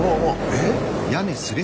えっ？